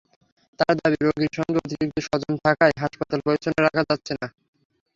তাঁর দাবি, রোগীর সঙ্গে অতিরিক্ত স্বজন থাকায় হাসপাতাল পরিচ্ছন্ন রাখা যাচ্ছে না।